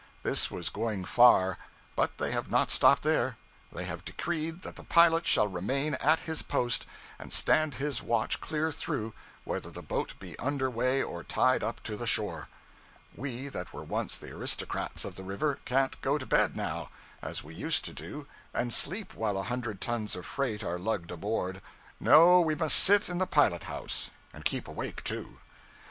This was going far, but they have not stopped there. They have decreed that the pilot shall remain at his post, and stand his watch clear through, whether the boat be under way or tied up to the shore. We, that were once the aristocrats of the river, can't go to bed now, as we used to do, and sleep while a hundred tons of freight are lugged aboard; no, we must sit in the pilot house; and keep awake, too.